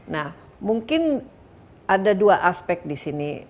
nah mungkin ada dua aspek di sini